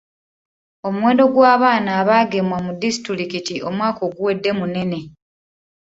Omuwendo gw'abaana abaagemwa mu disitulikiti omwaka oguwedde munene.